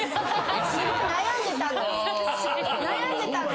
すごい悩んでたんです。